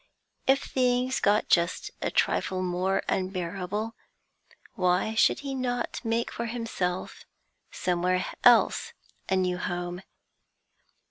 If things got just a trifle more unbearable, why should he not make for himself somewhere else a new home?